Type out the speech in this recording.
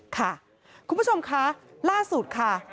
ค่ะคุณผู้ชมคะล่าสุดค่ะ